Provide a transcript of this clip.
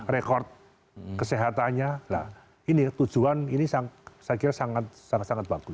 rekor kesehatannya nah ini tujuan saya kira sangat sangat bagus